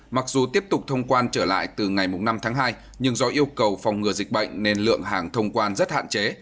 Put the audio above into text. mặc dù tiếp tục thông quan trở lại từ ngày năm tháng hai nhưng do yêu cầu phòng ngừa dịch bệnh nên lượng hàng thông quan rất hạn chế